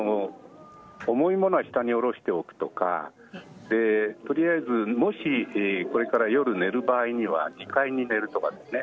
重い物は下に下ろしておくとかもし、これから夜寝る場合には２階で寝るとかですね。